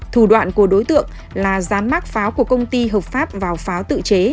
thủ đoạn của đối tượng là giám mắc pháo của công ty hợp pháp vào pháo tự chế